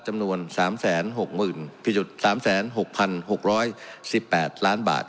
จำนวน๓๖๐๐๐๓๖๖๑๘ล้านบาท